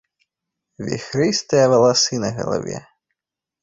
Віхрыстыя валасы на галаве.